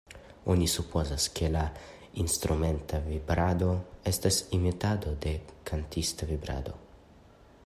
Oni supozas, ke la instrumenta vibrado estas imitado de kantista vibrado.